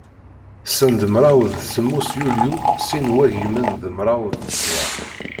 Send mraw d semmus yulyu sin n wagimen d mraw d tẓa.